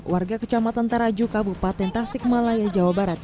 warga kecamatan taraju kabupaten tasik malaya jawa barat